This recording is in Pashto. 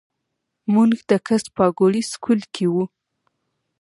مونږ د کس پاګوړۍ سکول کښې وو